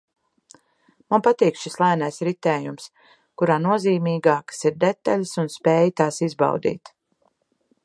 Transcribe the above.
Man patīk šis lēnais ritējums, kurā nozīmīgākas ir detaļas un spēja tās izbaudīt